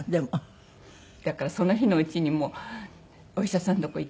だからその日のうちにもうお医者さんのとこに行って。